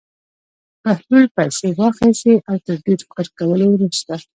بهلول پېسې واخیستې او تر ډېر فکر کولو وروسته.